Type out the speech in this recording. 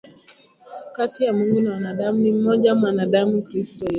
kati ya Mungu na wanadamu ni mmoja mwanadamu Kristo Yesu